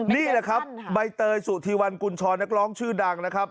นี่แหละครับใบเตยสุธีวันกุญชรนักร้องชื่อดังนะครับ